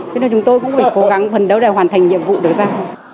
thế nên là chúng tôi cũng phải cố gắng phấn đấu để hoàn thành nhiệm vụ được ra